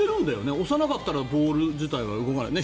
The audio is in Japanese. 押さなかったらボウル自体が動かないから。